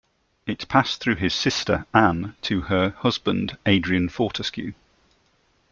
It passed through his sister, Anne, to her husband-Adrian Fortescue.